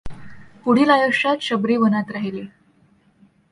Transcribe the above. पुढील आयुष्यात शबरी वनात राहिली.